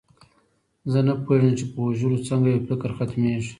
زه نه پوهېدم چې په وژلو څنګه یو فکر ختمیږي